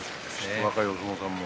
若いお相撲さんも。